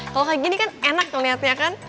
kalau kayak gini kan enak ngeliatnya kan